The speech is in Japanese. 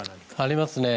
ありますね。